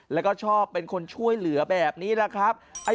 แล้วเขาชอบเป็นคนช่วยเหลือแบบนี้